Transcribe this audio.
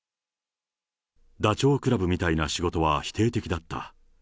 ダチョウ倶楽部みたいな仕事は否定的だった。